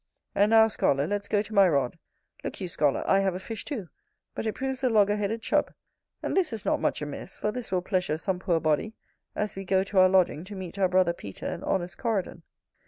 And now, scholar, let's go to my rod. Look you, scholar, I have a fish too, but it proves a logger headed Chub: and this is not much amiss, for this will pleasure some poor body, as we go to our lodging to meet our brother Peter and honest Coridon.